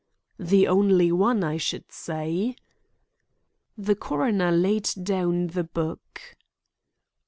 "The only one, I should say." The coroner laid down the book.